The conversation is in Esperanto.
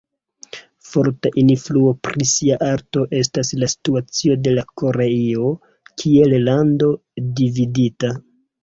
Forta influo pri sia arto estas la situacio de Koreio kiel lando dividita.